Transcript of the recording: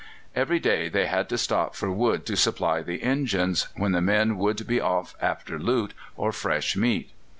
Every day they had to stop for wood to supply the engines, when the men would be off after loot or fresh meat.